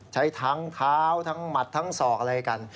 ใช้ทั้งเท้าทั้งหมัดทั้งศอกอะไรกัน